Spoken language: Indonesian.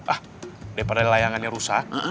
ah daripada layangannya rusak